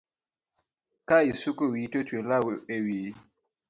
Ka isuko wiyi to twe law ewiyi